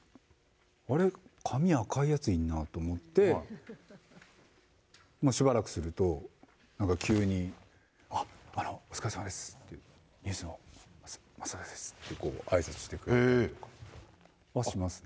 あれ、髪赤いやついるなと思って、まあしばらくすると、なんか急に、あっ、お疲れさまですって、ＮＥＷＳの増田ですって、あいさつしてくれたりとかはしますね。